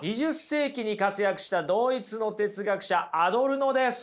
２０世紀に活躍したドイツの哲学者アドルノです。